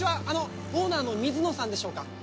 あのオーナーの水野さんでしょうか？